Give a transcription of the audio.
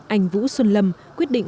anh vũ xuân lâm quyết định